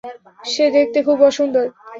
সে দেখতে খুব অসুন্দর।